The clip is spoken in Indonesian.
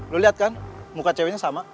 lo liat kan muka ceweknya sama